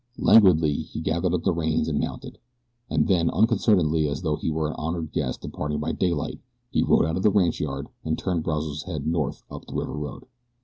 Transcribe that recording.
Languidly he gathered up the reins and mounted, and then unconcernedly as though he were an honored guest departing by daylight he rode out of the ranchyard and turned Brazos' head north up the river road.